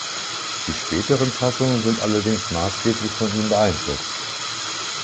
Die späteren Fassungen sind allerdings maßgeblich von ihm beeinflusst.